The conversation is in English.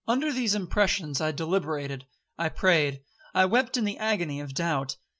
'Under these impressions, I deliberated, I prayed, I wept in the agony of doubt.